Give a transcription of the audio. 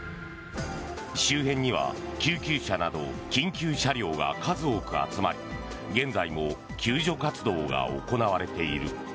周辺には救急車など緊急車両が数多く集まり現在も救助活動が行われている。